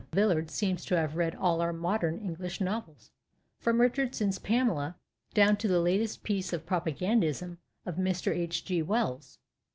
Villard seems to have read all our modern English novels, from Richardson's " Pamela " do\vn to the latest piece of propagandism of Mr. H. G. Wells.